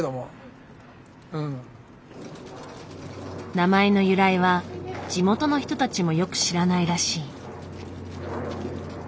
名前の由来は地元の人たちもよく知らないらしい。